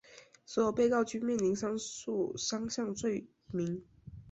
所有被告均面临上述三项罪名。